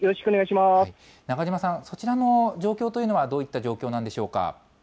中島さん、そちらの状況はどういった状況なんでしょうか。